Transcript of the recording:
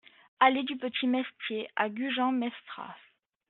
Allée du Petit Mestey à Gujan-Mestras